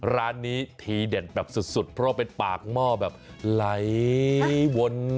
ร้านนี้ทีเด็ดแบบสุดเพราะว่าเป็นปากหม้อแบบไหลวน